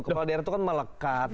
kepala daerah itu kan melekat